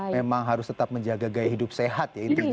memang harus tetap menjaga gaya hidup sehat ya intinya